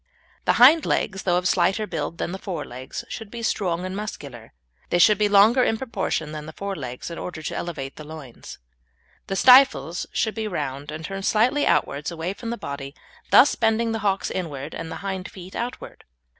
The hind legs, though of slighter build than the fore legs, should be strong and muscular. They should be longer, in proportion, than the fore legs in order to elevate the loins. The stifles should be round and turned slightly outwards, away from the body, thus bending the hocks inward and the hind feet outward.